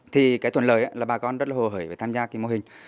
thì cái thuận lợi là bà con rất là hồ hởi về tham gia cái mô hình